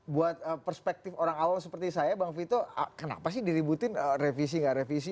buat perspektif orang awal seperti saya bang vito kenapa sih diributin revisi nggak revisi